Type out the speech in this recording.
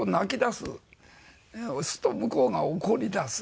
すると向こうが怒り出す。